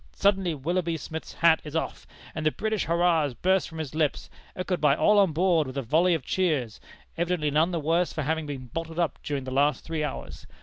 Suddenly Willoughby Smith's hat is off, and the British hurrah bursts from his lips, echoed by all on board with a volley of cheers, evidently none the worse for having been 'bottled up' during the last three hours.